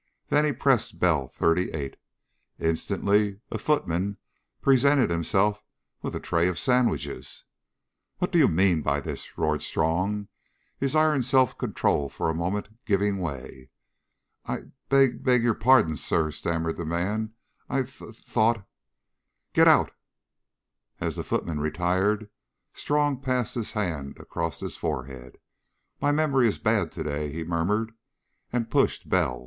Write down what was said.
Then he pressed bell "38." Instantly a footman presented himself with a tray of sandwiches. "What do you mean by this?" roared Strong, his iron self control for a moment giving way. "I b beg your pardon, Sir," stammered the man. "I th thought " "Get out!" As the footman retired, Strong passed his hand across his forehead. "My memory is bad to day," he murmured, and pushed bell "48."